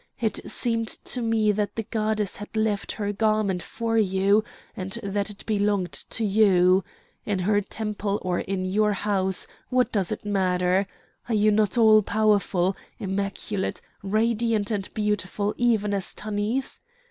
It seemed to me that the goddess had left her garment for you, and that it belonged to you! In her temple or in your house, what does it matter? are you not all powerful, immaculate, radiant and beautiful even as Tanith?"